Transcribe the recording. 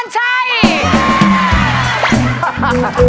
มันจะไหวไหม